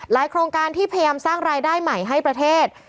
โครงการที่พยายามสร้างรายได้ใหม่ให้ประเทศ